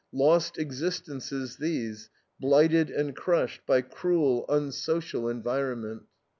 Lost existences these, blighted and crushed by cruel, unsocial environment.